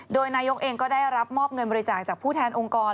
โดยนายกเองก็ได้รับมอบเงินบริจาคจากผู้แทนองค์กร